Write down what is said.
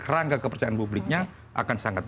rangka kepercayaan publiknya akan sangat